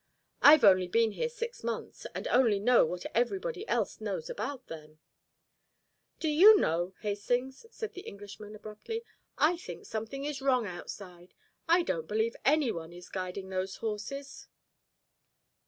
I've only been here six months, and only know what everybody else knows about them " "Do you know, Hastings," said the Englishman abruptly, "I think something is wrong outside. I don't believe anyone is guiding those horses."